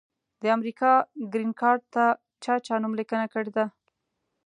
د امریکا ګرین کارټ ته چا چا نوملیکنه کړي ده؟